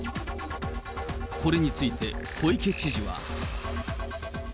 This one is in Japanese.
これについて、小池知事は。